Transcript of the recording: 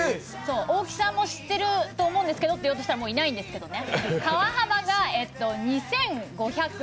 大木さんも知ってると思うんですけどと言おうとしたらもういないんですけどね。